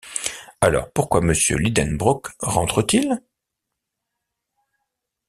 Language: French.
Alors pourquoi Monsieur Lidenbrock rentre-t-il ?